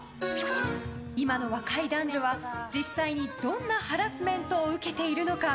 今の若い男女は実際に、どんなハラスメントを受けているのか。